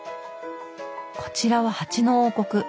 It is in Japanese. こちらは蜂の王国。